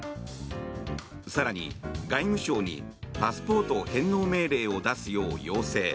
更に、外務省にパスポート返納命令を出すよう要請。